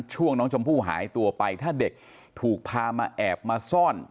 ช่วงน้องชมพู่หายตัวไปถ้าเด็กถูกพามาแอบมาซ่อน